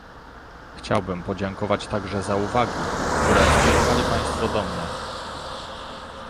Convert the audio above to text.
Chciałbym podziękować także za uwagi, które skierowali Państwo do mnie